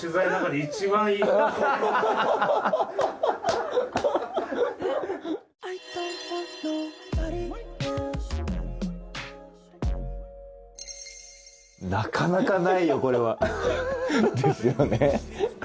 なかなかないよこれは。ですよね。